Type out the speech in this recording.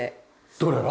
どれが？